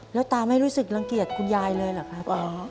แล้วตาไม่รู้สึกรังเกียจคุณยายเลยเหรอครับ